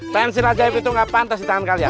pensiun ajaib itu gak pantas di tangan kalian